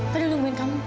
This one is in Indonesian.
fadil nungguin kamu